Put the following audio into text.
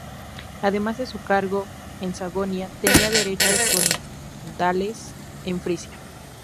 Además de su cargo en Sajonia, tenía derechos condales en Frisia.